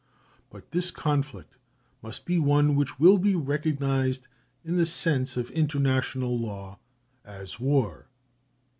But this conflict must be one which will be recognized in the sense of international law as war.